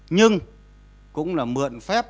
nhưng cũng là mượn phép